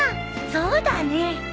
そうだね。